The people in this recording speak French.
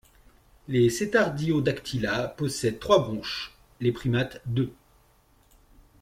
Les Cetartiodactyla possèdent trois bronches, les primates deux.